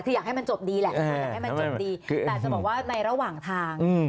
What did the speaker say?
คืออยากให้มันจบดีแหละคืออยากให้มันจบดีแต่จะบอกว่าในระหว่างทาง